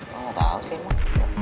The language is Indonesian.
lu gak tau sih man